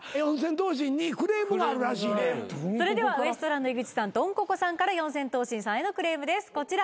それではウエストランド井口さんドンココさんから四千頭身さんへのクレームですこちら。